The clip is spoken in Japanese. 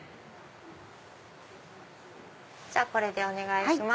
これでお願いします。